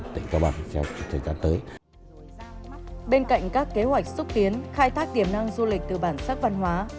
bên cạnh các kế hoạch xúc tiến khai thác tiềm năng du lịch từ bản sắc văn hóa